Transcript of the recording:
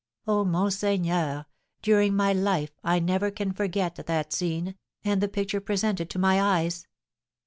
"Oh, monseigneur, during my life I never can forget that scene, and the picture presented to my eyes.